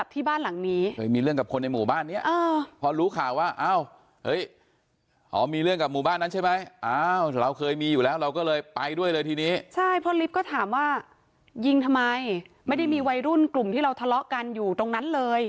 ใช่เพราะก็ถามว่ายิงทำไมไม่ได้มีวัยรุ่นกลุ่มที่เราทะเลาะกันอยู่ตรงนั้นเลย